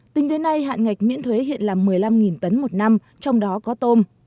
tính đến nay hạn ngạch miễn thuế hiện là một mươi năm tấn một năm trong đó có tôm